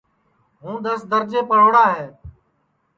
ہُوں دؔس درجے پڑھوڑا ہے